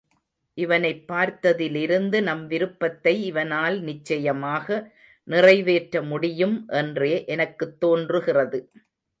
இவனைப் பார்த்ததிலிருந்து நம் விருப்பத்தை இவனால் நிச்சயமாக நிறைவேற்ற முடியும் என்றே எனக்குத் தோன்றுகிறது.